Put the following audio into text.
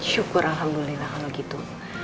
syukur alhamdulillah kalau gitu